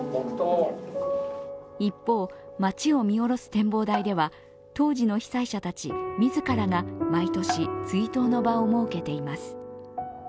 一方、街を見下ろす展望台では当時の被災者たち自らが毎年、追悼の場を設けています。